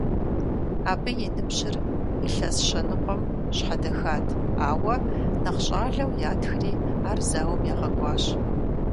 Абы и ныбжьыр илъэс щэ ныкъуэм щхьэдэхат, ауэ нэхъ щӏалэу ятхри, ар зауэм ягъэкӏуащ.